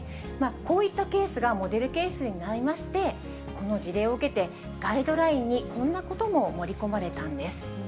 こういったケースがモデルケースになりまして、この事例を受けて、ガイドラインにこんなことも盛り込まれたんです。